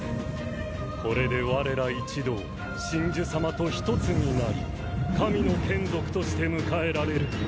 これで我ら一同神樹様と一つになり神の眷族として迎えられる。